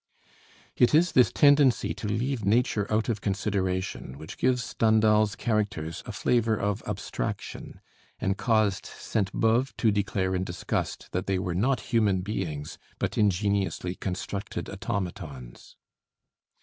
It is this tendency to leave nature out of consideration which gives Stendhal's characters a flavor of abstraction, and caused Sainte Beuve to declare in disgust that they were "not human beings, but ingeniously constructed automatons."